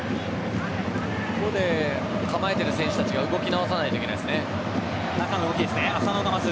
ここで構えている選手たちが動き直さないといけないですね。